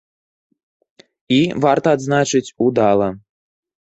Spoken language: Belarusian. І, варта адзначыць, удала.